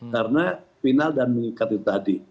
karena final dan mengikat itu tadi